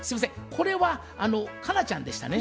これは佳奈ちゃんでしたね。